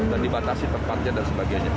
dan dibatasi tempatnya dan sebagainya